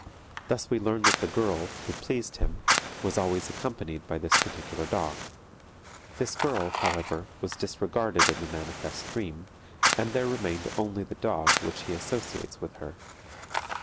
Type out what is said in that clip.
Thus we learn that the girl, who pleased him, was always accompanied by this particular dog. This girl, however, was disregarded in the manifest dream, and there remained only the dog which he associates with her.